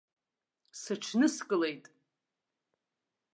Сыҽныскылеит.